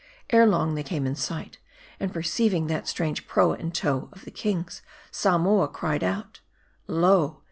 Ere long they came in sight ; and perceiving that strange proa in tow of the king's, Samoa cried out :" Lo